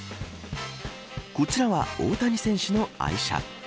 こちらは大谷選手の愛車。